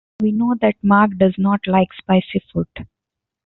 We know that Mark does not like spicy food.